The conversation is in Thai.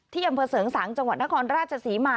อำเภอเสริงสางจังหวัดนครราชศรีมา